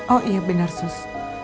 oh iya benar sus